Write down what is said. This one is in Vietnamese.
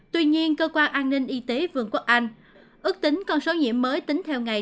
tuy nhiên cơ quan an ninh y tế vườn quốc anh ước tính con số nhiễm mới tính theo ngày